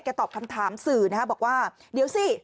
ตอบคำถามสื่อนะฮะบอกว่าเดี๋ยวสิ